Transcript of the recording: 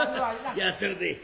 いやそれでええ。